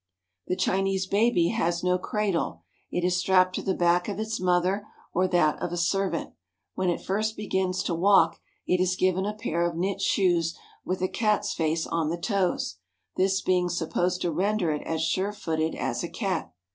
The Chinese baby has no cradle. It is strapped to the back of its mother or that of a servant. When it first begins to walk, it is given a pair of knit shoes with a cat's face on the toes, this being sup posed to render it as sure footed as a cat.